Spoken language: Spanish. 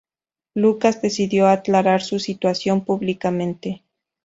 Lucas decidió aclarar su situación públicamente.